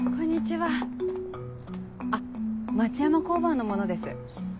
あっ町山交番の者です。